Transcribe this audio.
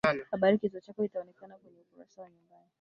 mahakama hiyo licha ya kumtia tian kioo kwa kosa hilo